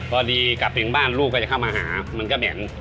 พอดีกลับถึงบ้านลูกก็จะเข้ามาหามันก็แบ่ง